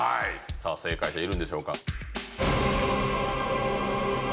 さあ正解者いるんでしょうか？